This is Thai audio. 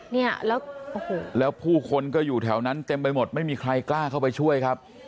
เนี่ยแล้วโอ้โหแล้วผู้คนก็อยู่แถวนั้นเต็มไปหมดไม่มีใครกล้าเข้าไปช่วยครับ